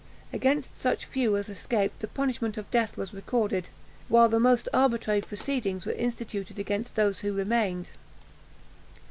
Against such few as escaped, the punishment of death was recorded, while the most arbitrary proceedings were instituted against those who remained.